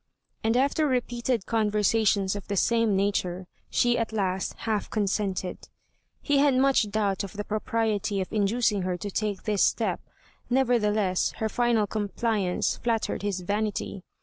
And after repeated conversations of the same nature, she at last half consented. He had much doubt of the propriety of inducing her to take this step, nevertheless her final compliance flattered his vanity.